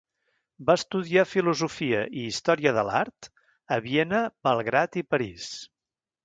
Va estudiar filosofia i història de l'art a Viena, Belgrad i París.